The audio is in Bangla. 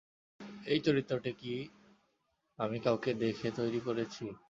এই চরিত্রটি কি আমি কাউকে দেখে তৈরি করেছি?